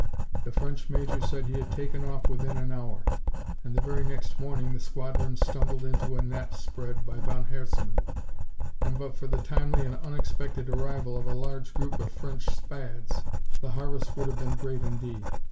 The French Major said he had taken off within an hour. And the very next morning the squadron stumbled into a net spread by von Herzmann, and but for the timely and unexpected arrival of a large group of French Spads the harvest would have been great indeed.